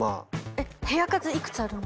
えっ部屋数いくつあるの？